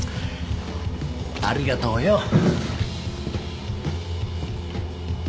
ありがとうよ。